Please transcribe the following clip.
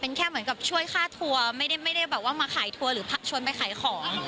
เป็นแค่เหมือนกับช่วยค่าทัวร์ไม่ได้แบบว่ามาขายทัวร์หรือชวนไปขายของ